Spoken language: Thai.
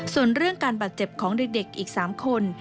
ส่วนเรื่องการบาดเจ็บของเด็กอีก๓คน